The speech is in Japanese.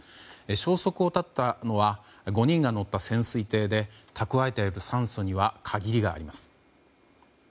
消息を絶ったのは５人が乗った潜水艇で蓄えてある酸素には限りがあります。